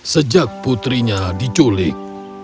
sejak putrinya diculik